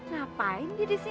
gak payah ini disini